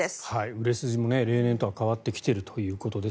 売れ筋も例年とは変わってきてるということです。